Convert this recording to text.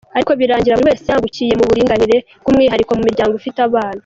Ariko birangira buri wese yungukiye mu buringanire, by’umwihariko mu miryango ifite abana.